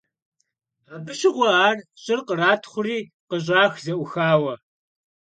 Abı şığue ar ş'ır khratxhuri khış'ax ze'uxaue.